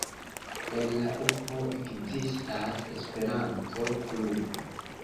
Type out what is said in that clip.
En la urbo ekzistas Esperanto-klubo.